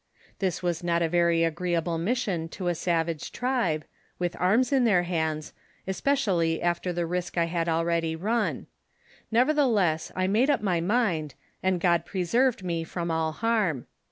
Tliis was not a very agreeable mission to a savage tribe, with arms in their hands, especially after the risk I had already run ; nevertheless, I made up my mind, and God preserved me from all harm.